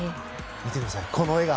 見てください、この笑顔。